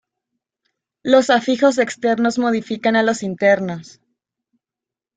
Los afijos externos modifican a los internos.